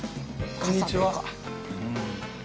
こんにちは